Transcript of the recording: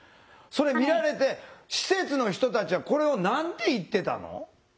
それ見られて施設の人たちはこれを何て言ってたの？